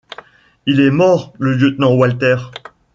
Il est mort, le lieutenant Walter !